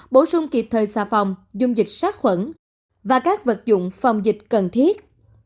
bổ sung kịp thời xà phòng dung dịch sát khuẩn và các vật dụng phòng dịch cần thiết